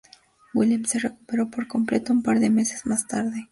Williams se recuperó por completo un par de meses más tarde.